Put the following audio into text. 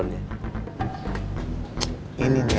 kami agen cae